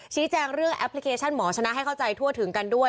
ชี้แจงเรื่องแอปพลิเคชันหมอชนะให้เข้าใจทั่วถึงกันด้วย